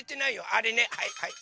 あれねはいはい。